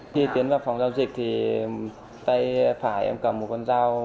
khi tiến vào phòng giao dịch thì tay phải em cầm một con dao